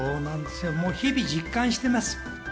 日々実感してます。